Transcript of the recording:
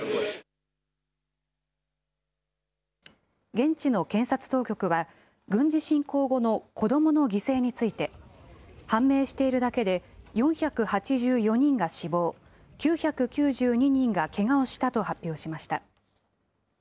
現地の検察当局は、軍事侵攻後の子どもの犠牲について、判明しているだけで４８４人が死亡、９９２人がけがをしたと発表しました。